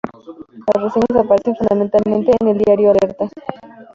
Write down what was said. Las reseñas aparecen fundamentalmente en el diario Alerta.